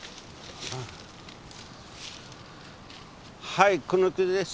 はいこの木です。